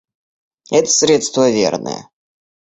Это средство верное.